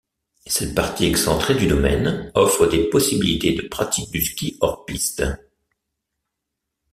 Cette partie excentrée du domaine offre des possibilités de pratique du ski hors-piste.